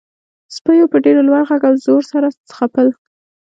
سپیو په ډیر لوړ غږ او زور سره غپل